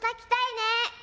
ね